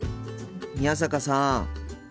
宮坂さん。